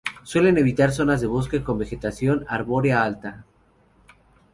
Suelen evitar zonas de bosque con vegetación arbórea alta.